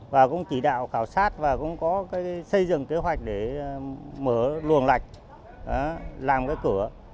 và cũng chỉ đạo khảo sát và cũng có xây dựng kế hoạch để mở luồng lạch làm cái cửa